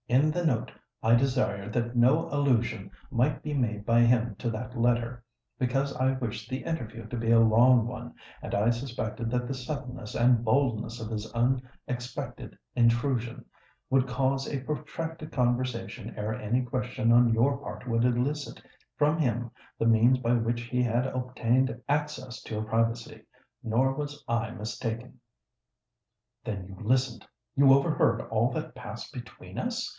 In the note I desired that no allusion might be made by him to that letter, because I wished the interview to be a long one, and I suspected that the suddenness and boldness of his unexpected intrusion would cause a protracted conversation ere any question on your part would elicit from him the means by which he had obtained access to your privacy. Nor was I mistaken." "Then you listened—you overheard all that passed between us?"